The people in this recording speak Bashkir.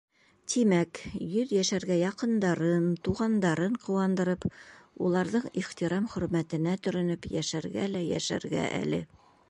Тимәк, йөҙйәшәргә яҡындарын, туғандарын ҡыуандырып, уларҙың ихтирам-хөрмәтенә төрөнөп йәшәргә лә йәшәргә әле.